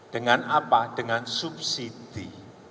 dengan apa dengan subsidi